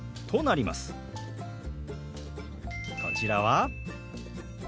こちらは。